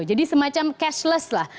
jadi semacam cashless lah